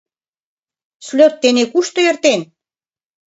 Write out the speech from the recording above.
— Слёт тений кушто эртен?